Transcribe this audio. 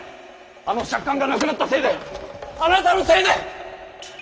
あの借款がなくなったせいであなたのせいで。